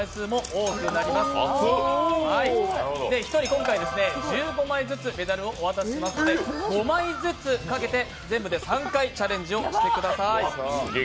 今回は１人１５枚ずつメダルをお渡ししますので５枚ずつかけて、全部で３回チャレンジしてください。